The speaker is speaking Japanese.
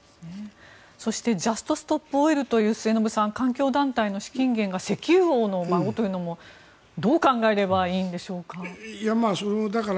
そしてジャスト・ストップ・オイルという環境団体の資金源が石油王の孫というのもどう考えればいいんでしょうか。